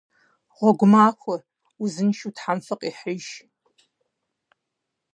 Гъуэгу махуэ! Узыншэу Тхьэм фыкъихьыж.